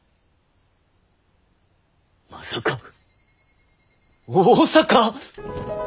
まさか大坂！？